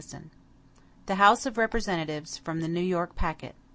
52 The House of Representatives From the New York Packet.